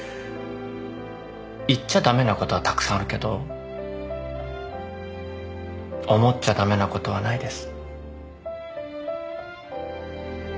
言っちゃ駄目なことはたくさんあるけど思っちゃ駄目なことはないです。